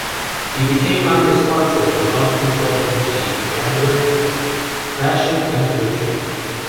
He became unresponsive and lost control of his Jeep Wrangler, crashing into a tree.